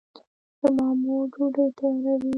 زما مور ډوډۍ تیاروي